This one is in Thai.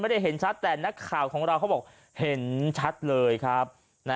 ได้เห็นชัดแต่นักข่าวของเราเขาบอกเห็นชัดเลยครับ